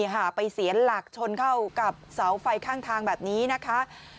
ไปเสียหลักชนเข้ากับเสาไฟข้างทางแบบนี้นะคะ